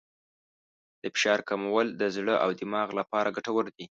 د فشار کمول د زړه او دماغ لپاره ګټور دي.